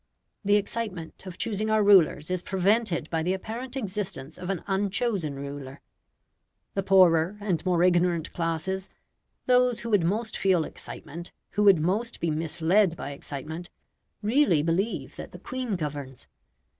The excitement of choosing our rulers is prevented by the apparent existence of an unchosen ruler. The poorer and more ignorant classes those who would most feel excitement, who would most be misled by excitement really believe that the Queen governs.